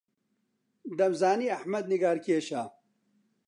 دەمزانی ئەحمەد نیگارکێشە.